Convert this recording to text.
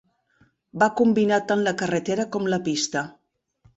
Va combinar tant la carretera com la pista.